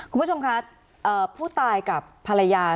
คุณผู้ชมคะผู้ตายกับภรรยา